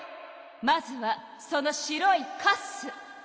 まずはその白いカス！